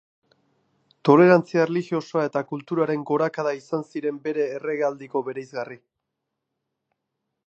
Tolerantzia erlijiosoa eta kulturaren gorakada izan ziren bere erregealdiko bereizgarri.